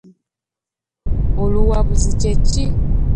Oluwabuzi kye ki?